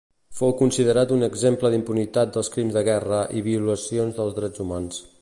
Fou considerat un exemple d'impunitat dels crims de guerra i violacions dels drets humans.